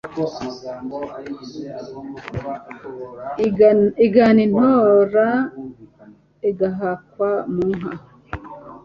Igana i Ntora igahakwa mu nka